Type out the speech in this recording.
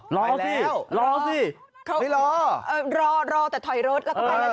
รอรอแต่ถอยเข้าไปแล้ว